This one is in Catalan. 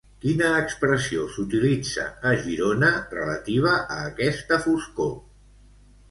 Quina expressió s'utilitza a Girona relativa a aquesta foscor?